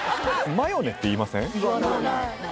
マヨネって言いません？